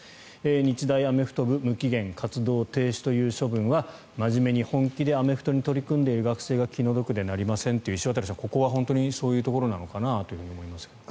日大アメフト部無期限活動停止という処分は真面目に本気でアメフトに取り組んでいる学生が気の毒でなりませんという石渡さん、ここは本当にそういうことなのかなと思いますが。